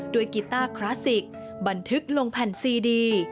กีต้าคลาสสิกบันทึกลงแผ่นซีดี